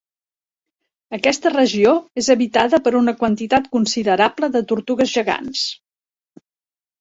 Aquesta regió és habitada per una quantitat considerable de tortugues gegants.